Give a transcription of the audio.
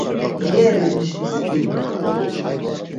Ye laç̌işi sǩiri.